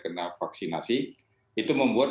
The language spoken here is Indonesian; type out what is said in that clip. kena vaksinasi itu membuat